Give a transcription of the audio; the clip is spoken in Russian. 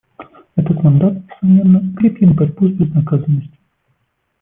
Этот мандат, несомненно, укрепит борьбу с безнаказанностью.